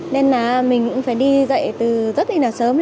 nên là mình cũng phải đi dạy từ rất đi nào sớm